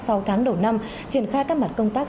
sau tháng đầu năm triển khai các mặt công tác